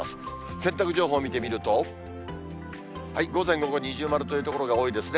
洗濯情報見てみると、午前、午後、二重丸という所が多いですね。